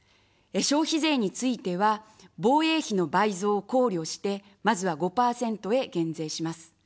消費税については、防衛費の倍増を考慮して、まずは５％へ減税します。